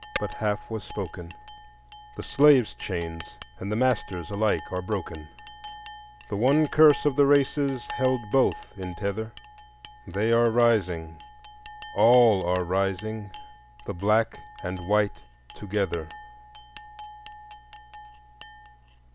But half was spoken; The slave's chains and the master's Alike are broken; The one curse of the races Held both in tether; They are rising—all are rising— The black and white together.